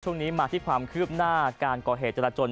ช่วงนี้มาที่ความคืบหน้าการก่อเหตุจราจน